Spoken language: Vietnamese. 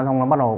xong rồi bắt đầu